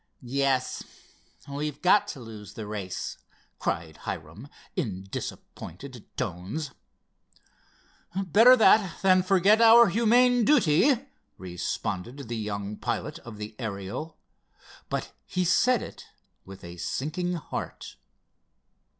"Yes, we've got to lose the race!" cried Hiram in disappointed tones. "Better that than forget our humane duty," responded the young pilot of the Ariel, but he said it with a sinking heart.